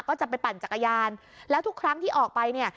ก็จะไปปั่นจักรยานแล้วทุกครั้งที่ออกไปเนี่ย